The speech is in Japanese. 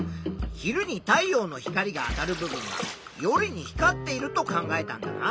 昼に太陽の光が当たる部分が夜に光っていると考えたんだな。